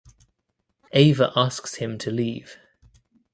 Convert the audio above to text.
Ava asks him to leave.